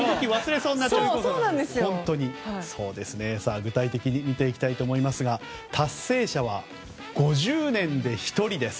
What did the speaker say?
さあ、具体的に見ていきたいと思いますが達成者は５０年で１人です。